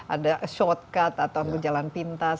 ada shortcut atau jalan pintas